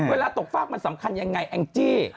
เวลาตกฟากมันสำคัญยังไงแองจี้